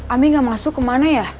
ami gak masuk kemana ya